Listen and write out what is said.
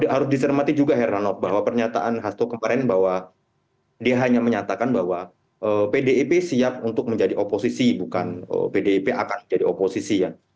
harus disermati juga heranov bahwa pernyataan hasto kemarin bahwa dia hanya menyatakan bahwa pdip siap untuk menjadi oposisi bukan pdip akan menjadi oposisi ya